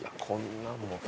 こんなのも。